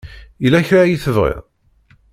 Yella kra ay tebɣiḍ?